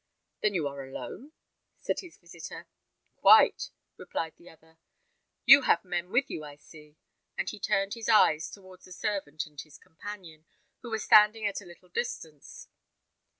"Then you are alone?" said his visitor. "Quite," replied the other. "You have men with you, I see," and he turned his eyes towards the servant and his companion, who were standing at a little distance.